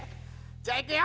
じゃあいくよ！